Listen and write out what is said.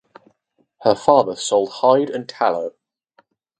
Her father sold hide and tallow.